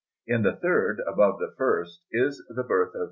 In the third, above the first, is the birth of S.